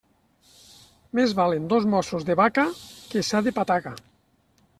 Més valen dos mossos de vaca que set de pataca.